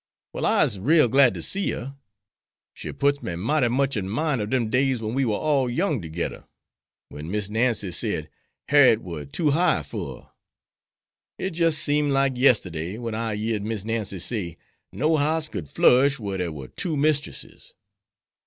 "Well, I'se rale glad ter see her. She puts me mighty much in mine ob dem days wen we war all young togedder; wen Miss Nancy sed, 'Harriet war too high fer her.' It jis' seems like yisterday wen I yeard Miss Nancy say, 'No house could flourish whar dere war two mistresses.'